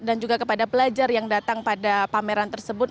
dan juga kepada pelajar yang datang pada pameran tersebut